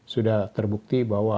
sudah terbukti bahwa